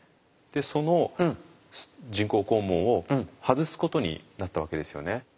その人工肛門を外すことになったわけですよね。